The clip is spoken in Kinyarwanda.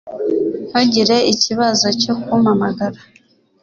Ntugire ikibazo cyo kumpamagara